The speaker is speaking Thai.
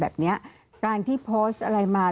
ทำไมรัฐต้องเอาเงินภาษีประชาชน